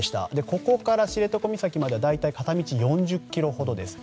ここから知床岬までは大体、片道４０ｋｍほどです。